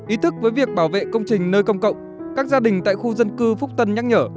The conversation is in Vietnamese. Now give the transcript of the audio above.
ý thức với việc bảo vệ công trình nơi công cộng các gia đình tại khu dân cư phúc tân nhắc nhở